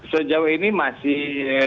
sejauh ini masih